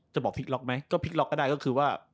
จะบอกพลิกล็อกไหมก็พลิกล็อกก็ได้ก็คือว่า